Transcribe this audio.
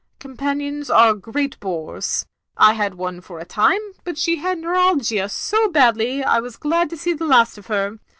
Companions are great bores. I had one for a time, but she had neuralgia so badly I was glad to see the last of her.